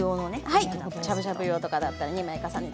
しゃぶしゃぶ用とかだったらですね。